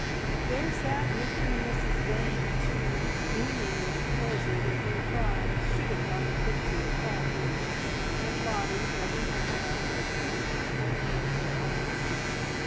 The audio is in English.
There sat Mr and Mrs Vane, too, beaming with pleasure that their prize should have gone to Pixie of all people, and Lottie rubbing her hands and growing hysterical in delight.